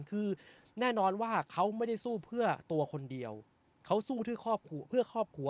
คือแน่นอนว่าเขาไม่ได้สู้เพื่อตัวคนเดียวเขาสู้เพื่อครอบครัว